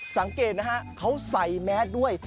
สังเกตนะฮะเขาใส่แมสด้วย